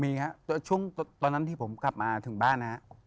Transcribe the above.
มีครับช่วงตอนนั้นที่ผมกลับมาถึงบ้านนะครับ